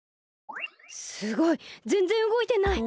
すごいぜんぜんうごいてない！